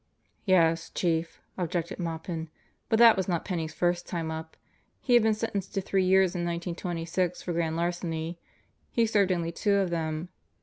..." "Yes, Chief," objected Maupin, "but that was not Penney's first time up. He had been sentenced to three years in 1926 for grand larceny. He served only two of them.